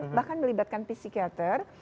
karena itu akan melibatkan psikiater